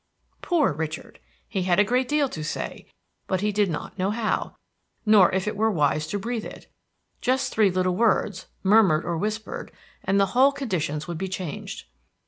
Poor Richard! He had a great deal to say, but he did not know how, nor if it were wise to breathe it. Just three little words, murmured or whispered, and the whole conditions would be changed.